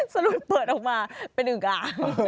สรุปเปิดออกมาเป็นอึ่งกลาง